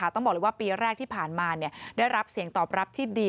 ต้องบอกเลยว่าปีแรกที่ผ่านมาได้รับเสียงตอบรับที่ดี